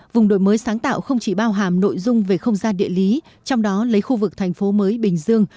vùng đổi mới sáng tạo không chỉ bao hàm nội dung về không gian địa lý trong đó lấy khu vực thành phố mới bình dương